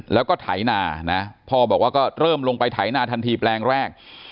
แล้วก็ไถนานะพ่อบอกว่าก็เริ่มลงไปไถนาทันทีแปลงแรก